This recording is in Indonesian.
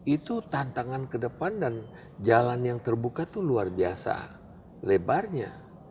itu tantangan ke depan dan jalan yang terbuka itu luar biasa lebarnya